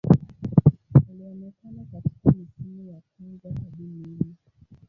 Alionekana katika misimu ya kwanza hadi minne.